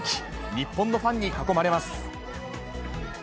日本のファンに囲まれます。